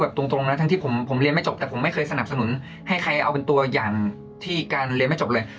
ตรงนะทั้งที่ผมเรียนไม่จบแต่ผมไม่เคยสนับสนุนให้ใครเอาเป็นตัวอย่างที่การเรียนไม่จบเลย